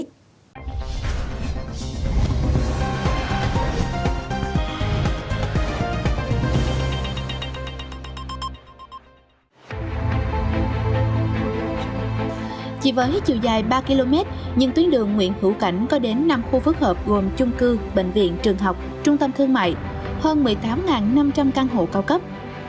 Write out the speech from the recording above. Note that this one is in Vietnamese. trung tâm thương mại hơn một mươi tám năm trăm linh căn hộ cao cấp